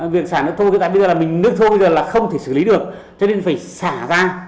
việc xả nước thô bây giờ là không thể xử lý được cho nên phải xả ra